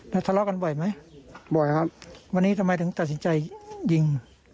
แล้วทะเลาะกันบ่อยไหมบ่อยครับวันนี้ทำไมถึงตัดสินใจยิง